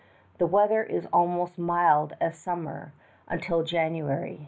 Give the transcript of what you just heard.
The weather is almost mild as summer until January.